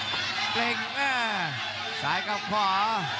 เกร็งมากสายกลับขวา